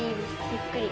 ゆっくり。